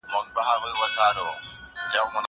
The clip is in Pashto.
زه پرون کتابونه لولم وم!؟